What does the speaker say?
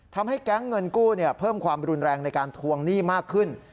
ทำให้แก๊งเงินกู้เพิ่มความรุนแรงในการทวงหนี้มากขึ้น